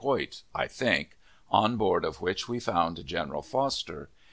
Coit (I think), on board of which we found General Foster.